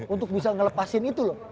untuk bisa ngelepasin itu